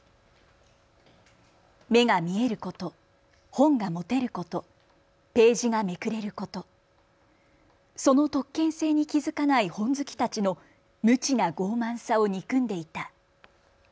目が見えること、本が持てること、ページがめくれること、その特権性に気付かない本好きたちの無知な傲慢さを憎んでいた。